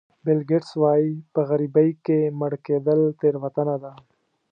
بیل ګېټس وایي په غریبۍ کې مړ کېدل تېروتنه ده.